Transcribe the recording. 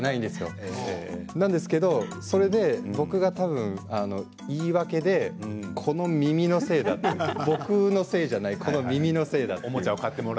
なんですけど僕がたぶん言い訳でこの耳のせいだって僕のせいじゃない、この耳のせいだと。